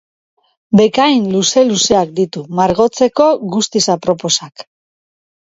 Bekain luze-luzeak ditu, margotzeko guztiz aproposak.